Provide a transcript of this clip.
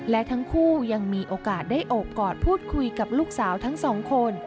และทั้งคู่ยังมีโอกาสได้โอบกอดพูดคุยกับลูกสาวทั้งสองคน